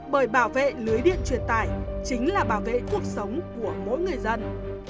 bởi bảo vệ lưới điện truyền tải chính là bảo vệ cuộc sống của mỗi người dân